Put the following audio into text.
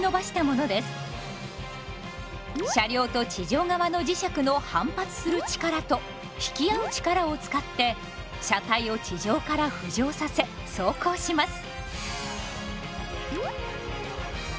車両と地上側の磁石の反発する力と引き合う力を使って車体を地上から浮上させ走行します。